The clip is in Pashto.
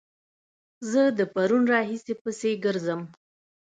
زه د پرون راهيسې پسې ګرځم